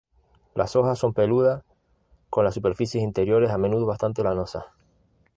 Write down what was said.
Las hojas son peludas, con las superficies inferiores a menudo bastante lanosas.